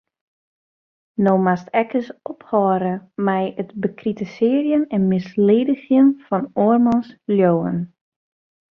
No moatst ek ris ophâlde mei it bekritisearjen en misledigjen fan oarmans leauwen.